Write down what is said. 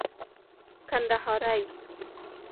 کندهارى